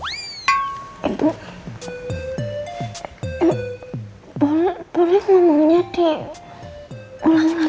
ibu ibu boleh boleh ngomongnya di ulang ulang ibu